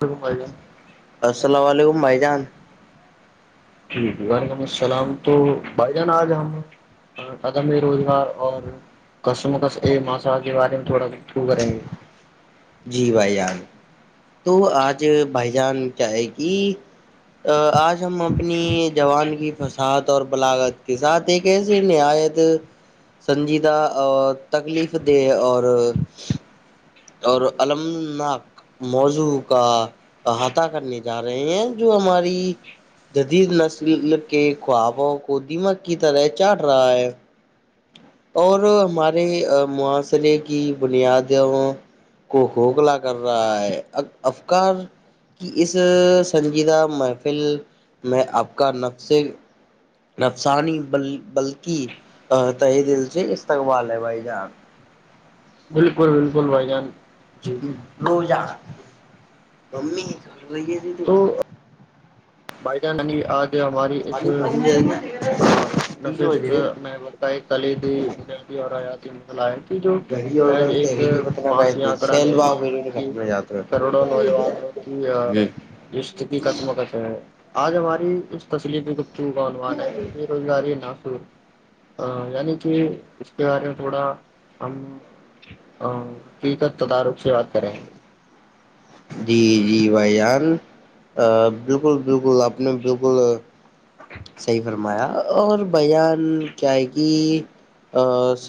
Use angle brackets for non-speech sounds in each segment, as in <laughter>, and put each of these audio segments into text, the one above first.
پ گے السلام علیکم بھائی جان ٹھیک ہے وعلیکم السلام تو بھائی جان آ ج ہم قدم روزگار اور کس مکس یہ مسالہ کے بار میں تھوڑاٹو کر رہیں گے جی بھائی جان تو آج بھائی جان کیا ہے کہ آج ہم اپنی جوان کی فساحات اور بلاغت کے ساتھ تے کہ س نایت سنجیدہ تکلیف دہ اور اور المنااک موضوع کا احاطہ کرنے جا رہے ہیں جو ہماری جدید نسل کے خوابوں کو دماغ کی طرح چاٹ رہا ہے اور ہمارے معاشرے کی بنیادوں کو ہوکھلا کر رہا ہے اب افکار کہ اس سنجیدہ محفل میں آپ کا نقش نفسانی بلکہ تہ دل سے استقبال ہے بھائی جان بالکل بالکل بھائی جان جی رو جان ممی رہی ہے تو بھ جانانی آج ہماری اس پانی پانی جائے گا ن تین بجے میں کئی کلیدیی اور حیاتی مثلاح جو گڑی اور گن ایک تری پتنا ماس کہتے آکڑا سیل نہیں باؤ ہے بلکہ ختم ہو جاتے کروڑوں نوجوان جیا رش کی کسمکس ہے آج ہماری اس تسلیفی گپتو کا عنوان ہے ہیں۔ س جا رہی ہے نا سر ا یعنی کہ اس کے بارے میں تھوڑا ہم فیک تدارک سے بات کر رہیں جی جی بھائی جان بالکل بالکل آپ نے بالکل ا صحیح فرمایا اور بیان کیا ہے گ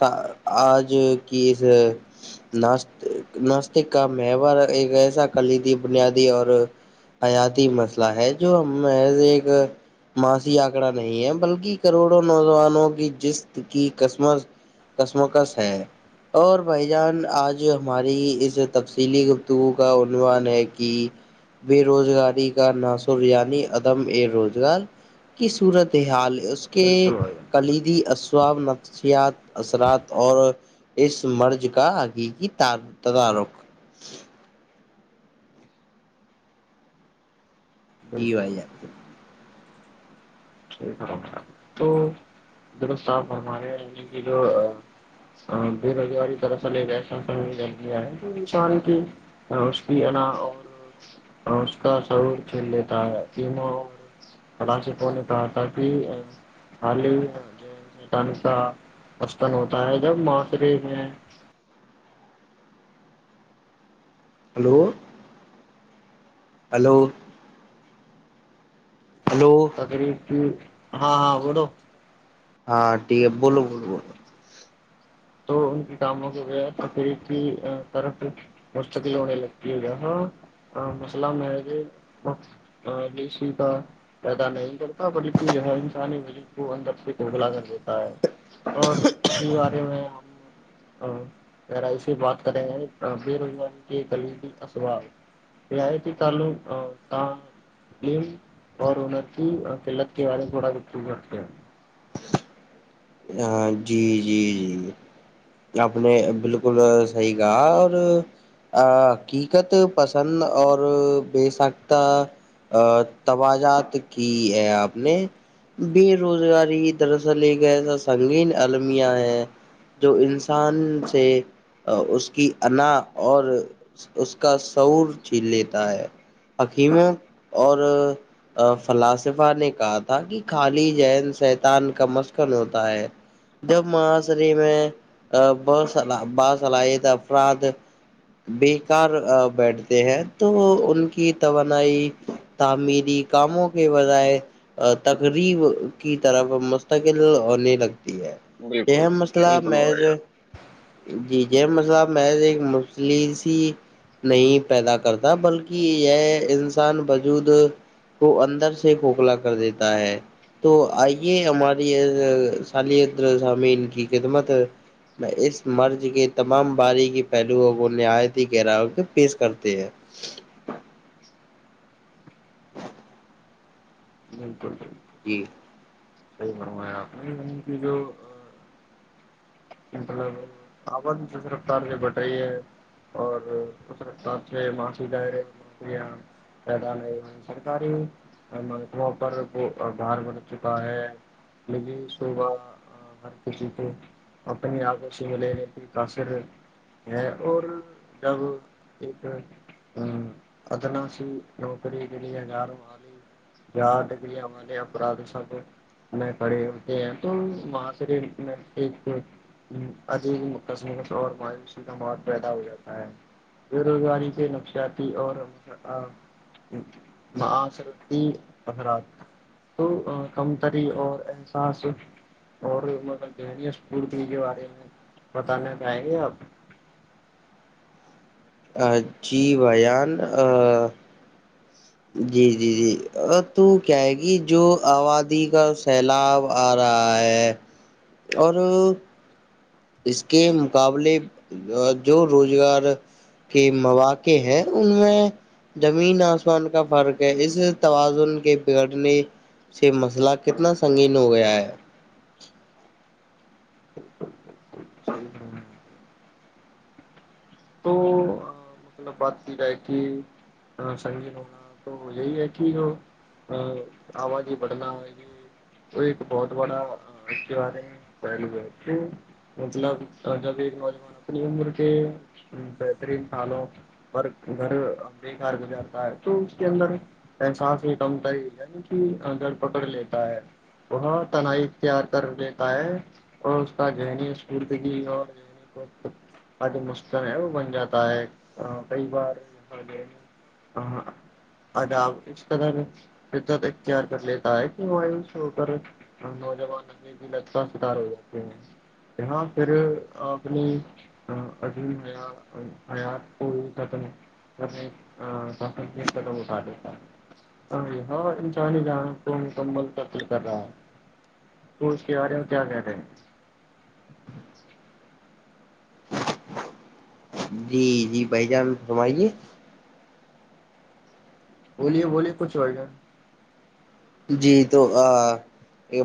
ا آج کی اس ناس ناستک کا مار ایک ایسا کلیدی بنیادی اور حیاتی مسئلہ ہے جو ہم ایز ایک ماسیی آنکڑا نہیں ہے بلکہ کروڑوں نوجوانوں کی جس کی قسمت کسمکس ہے اور بھائی جان آج ہماری اس تفصیلی گفتگو کا عنوان ہے کہ بے روزگاری کا نصر یعنی عدم اے روزگار کی صورت حال ہے اس کے بالکل بھائی جان کلیدی اسصاب نفسیات اثرات اور اس مرض کا حقیقی تدارکھ جی بالکل وائیار تو د صاحب ہمارےنی کہ جو ہ بے روزگاری دراصل ایک ایسا س ل گیا ہے کسان کی رشی اا اور اور اس کا سرور کھیل لیتا ہے تینوں کاسی پنے ہ تہ ا حال ہی ن کا آتن ہوتا ہے جب ماسرے میں ہلو ہلو ہلو ری ہاں ہاں بولو ہاں ٹھیک ہے بولو بولو بولو تو ان کے کاموں کو غ تقریب کی طرف مستقل ہونے لگتی ہو ہےا ہاں مسئلہ میں کہ ہاں بیشی کا پیدا نہیں کرتا بلکہ یہ انسانی وز کو اندر سے گھوکھلا کر دیتا ہے اور دیوارے میں ہم ذرا ایے بات کر رہیں ہیں بے روزگاری کے غلیبی اسبؤ ر آئی چالو اور ان کی تلت کے والے گڑا کرتے ہیں ہاں جی جی جی اپنے بالکل سی گا اور ا حقیقت پسند اور بے سخت ا توجات کی ہے آپ نے بے روزگاری دراصل ایک ایسا سنگین المیہ ہے جو انسان سے اس کی انا اور اس کا سور چھیل لیتا ہے حکیمت اور فلاسفہ نے کہا تھا کہ خالی جین سیتان کا مسکن ہوتا ہوتا ہے جب معاصری میں باصلاحیت افراد بےیکار بیٹھتے ہیں تو ان کی توانائی مری کاموں کے بجائے تقریب کی طرف مستقل اور لگتی ہے بالکل ا مسئلہ بالکل ہو محض جی مسحب میں ایک مسلم نہیں پیدا کرتا بلکہ یہ انسان وجود کو اندر سے کھوکھلا کر دیتا ہے تو آئیے ہماری سالتر سام کی کت مت میں اس مرض کے تمام باریکی پہلوؤں کو نہایتی گرا کے پیش کرتے ہیں بالکل بالکل جی صحیح آپ کی جو طلب آواز رفتار جو بٹائی ہے اور اس سے ماںسی ڈے یہاں پیدا نہیں سرکاری مکموں پر بھار بڑھ چکا ہے للی سوبا گھر کے چیز اتنے آگوش وے کاصر ہے اور جب ایک ادناا سے نوکری لییا ار آگ یا ڈگری آ والے ا اپراد سب میں کھڑے ہوتے ہیں تو وہاں سے بھی میںھ عدیب مقسمت اور مایوسی کا مت پیدا ہو جاتا ہے بے روزگاری سے نقشیاتی اور مع آ سرتیرات تو کمتری اور احساس اور مطلب دنی اسکول کے بارے میں بتانا چاہیں گے آپ جی بان جی جی جی تو کیا ہے گی جو آبادی کا سیلاب آ رہا ہے اور اس کے مقابلے جو روزگار کے مواقع ہے ان میں زمین آسمان کا فرق ہے اسے توازن کے بگڑنے سے مسئلہ کتنا سنگین ہو گیا ہے صحیح تو مطلب بات کی جائے کہ سنگین ہونا تو یہی ہے کہ جو آبازی بڑھنا ہو یہی وہ ایک بہت بڑاے پہلو ہے مطلب جب ایک نوجوان اپنی عمر کے بہترین سالوں اور گھر بےیکار گزاتا ہے تو اس کے اندر ایساس ہی کمتا ہی یعنی کہ گھر پکڑ لیتا ہے وہ تنائی اختیار کر لیتا ہے اور اس کا ذہنی سوردگی اور د مستن ہے وہ بن جاتا ہے کئی بار ہ ادا اسس طر فت اختیار کر لیتا ہے کہ مایوس ہو کر نوجوان بھی لگتاا شکار ہو جاتے ہیں ہاں پھر اپنی ابھی میا حیا ہو جات نہیں تو وہ پٹتا ہاں ہاں ان نہیں ج کو مکمل کا پل کر رہا ہے اس اس کے بارے میں کیا کہہ رہے ہیں جی جی بھائی جان فرمائیے بولیے بولیے کچھ ہو رہا ہے جی تو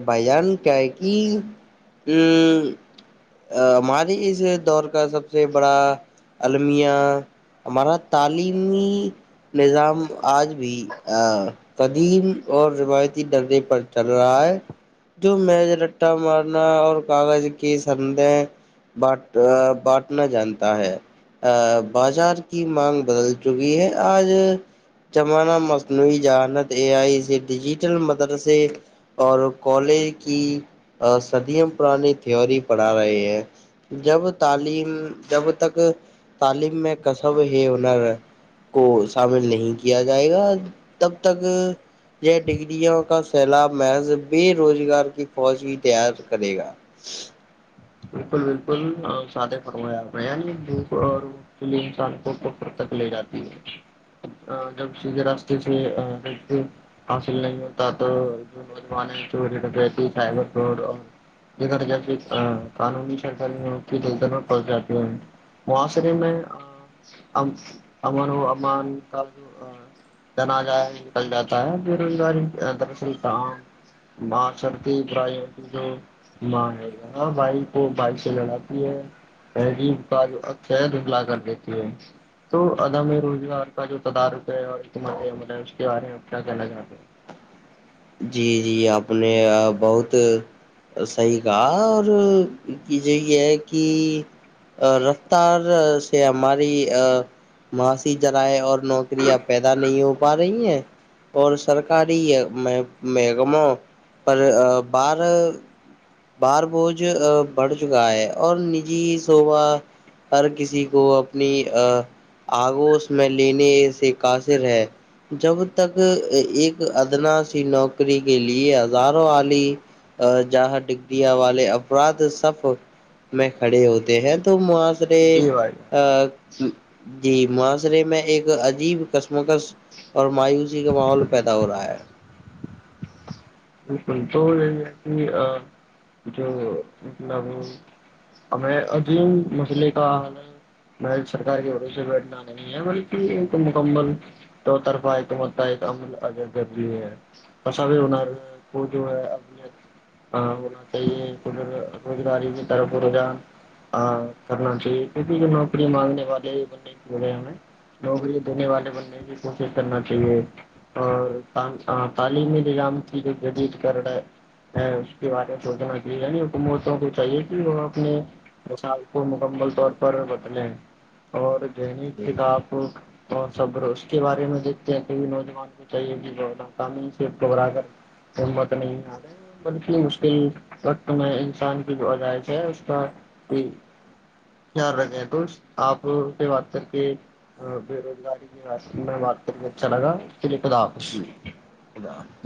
بھائی جان کیا ہے کہ ا ہماریے اس دور کا سب سے بڑا المیہ ہمارا تعلیمی نظام آج بھی قدیم اور روایتی ہی ڈرے پر چل رہا ہے جو میز رٹا مارنا اور کاغذ کی سدیں باٹ بٹنا جانتا ہے ا بازار کی مانگ بدل چکی ہے آج جمانہ مصنوعی جہانت اے آئی ڈیجیٹل مدرسے اور کالج کی صدیم پرانی تھیوری پڑھا رہے ہیں جب تعلیم جب تک تعلیم میں کصب ہے ہنر کو شامل نہیں کیا جائے گا تب تک یہ ڈگرریوں کا سیلاب محض بے روزگار کی فوج بھی تیار کرے گا ج بالکل بالکل سادے فرو رہ ہیں چ لیے انسان کو توکر تک لے جاتی ہے جب سیدھے راستے سے دیکھتے حصل نہیں ہوتا تو جو نوجوان چور رہتی سائبر چور اور <unintelligible> قانونی سرکاری ن دلت میں پڑ جاتی ہے معاصرے میں <unintelligible> تنا آجائے نکل جاتا ہے بے روزگاری دراصل کہاں ماں چلتی برائی ہوتی تواں ہے ہاں بھائی کو بھائیک سے لڑاتی ہے تذیب کا خلا کر دیتی ہے تو عدم روزگار کا جو تدارک ہے اور اعتماد عمل ہے اس کے بارے میں اپ کیا کہنا چاہتے ہیں جی جی آپ نے بہت صحیح کہا اور کی جوے یہ ہے کہ رفتار سے ہماری ماسی جرائے اور نوکریاں پیدا نہیں ہو پا رہی ہیں اور سرکاری میں مگموں پر باہر بار بوج ا بڑھ چکا ہے اور نجی سوبا ہر کسی کو اپنی آگو اس میں لیینی ای قاصر ہے جب تک ایک ادنا سی نوکری کے لیے ہزاروں الی ا جہاں دیا والے افراد صف میں کھڑے ہوتے ہیں تو معاشرے ہیں جی بھائی ا جی معحاشرے میں ایک عجیب قسم کا اور مایوسی کا ماحول پیدا ہو رہا ہے بالکل تو گ کہ جونا <unintelligible> ایں عظیم مسئلے کا حال ہے میں سرک کے بھروف سے بیٹھنا نہیں ہے بلکہ ایک مکمل دو طرفہ ایک مت عمل ا گی ہے <unintelligible> پسابے ہوناار وہ جو ہے اب <unintelligible> ہاں ہونا چاہیےاری تور جا <unintelligible> ہاں کرنا چاہیے کیونکہ جو نوکری مانگنے والے نہیں پ رہے ہمیں نوکرییا دینے والے بننے کی کوشش کرنا چاہیے اور تعلیمی گام کی جو جدید کر ہے اس کے بارے میں سوچنا چاہے یعنی حکومتوں کو چاہیے کہ وہ اپنے مسال کو مکمل طور پر بدلیں اور ذہنی کتاب اور سبر اس کے بارے میں دیکھتے ہیں کئی نوجوان چاہیے کہ جو نق سے کوبراگر ہمت نہیں آے <unintelligible> بتنی مشکل وقت میں انسان کی جو اجائش ہے اس کا خل رکھے ہیں تو آپ سے بات کر کے ہ بے روزگاری میں بات کر کے اچھا لگا اس لیے کدا آخوش خدا حافظ۔